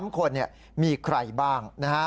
๓คนมีใครบ้าง